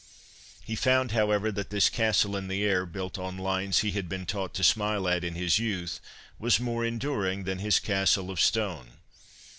He found, however, that this castle in the air, built on lines he had been taught to smile at in his youth, was more enduring than his castle of stone.